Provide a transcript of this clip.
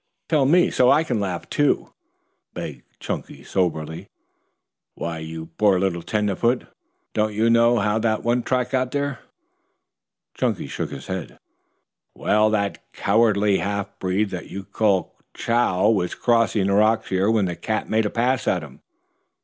"Tell me so I can laugh too," begged Chunky soberly. "Why, you poor little tenderfoot, don't you know how that one track got there?" Chunky shook his head. "Well, that cowardly half breed that you call Chow was crossing the rocks here when the cat made a pass at him.